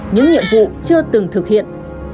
những nhiệm vụ chưa từng thực hiện